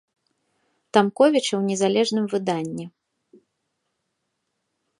Тамковіча ў незалежным выданні.